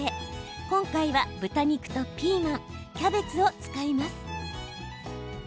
今回は、豚肉とピーマンキャベツを使います。